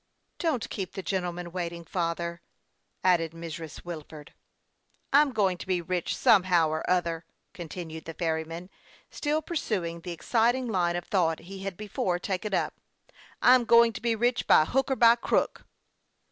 " Don't keep the gentleman waiting, father," add ed Mrs. Wilford. " I'm going to be rich, somehow or other^" con tinued the ferryman, still pursuing the exciting line of thought he had before taken up. " I'm going to be rich, by hook or by crook."